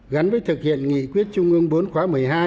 gắn với thực hiện nghị quyết trung ương bốn khóa một mươi hai